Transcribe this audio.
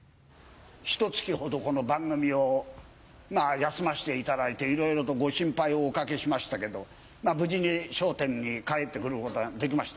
ひと月ほどこの番組を休ませていただいていろいろとご心配をおかけしましたけどまぁ無事に『笑点』に帰ってくることができました。